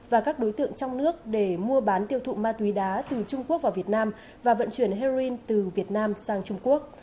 và các đối tượng trong nước để mua bán tiêu thụ ma túy đá từ trung quốc vào việt nam và vận chuyển heroin từ việt nam sang trung quốc